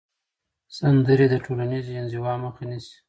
سندرې د ټولنیزې انزوا مخه نیسي.